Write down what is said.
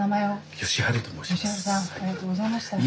善晴さんありがとうございました。